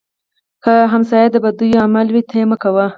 که ګاونډی د بدیو عامل وي، ته مه کوه